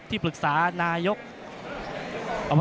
นักมวยจอมคำหวังเว่เลยนะครับ